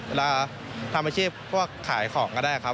เวลาทำอาชีพพวกขายของก็ได้ครับ